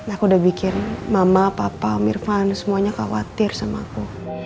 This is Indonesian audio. aku udah pikir mama papa mirfan semuanya khawatir sama aku